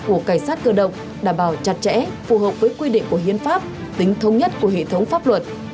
của cảnh sát cơ động đảm bảo chặt chẽ phù hợp với quy định của hiến pháp tính thông nhất của hệ thống pháp luật